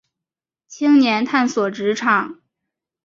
青年探索职场